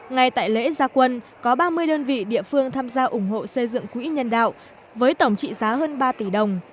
ngay tại lễ gia quân có ba mươi đơn vị địa phương tham gia ủng hộ xây dựng quỹ nhân đạo với tổng trị giá hơn ba tỷ đồng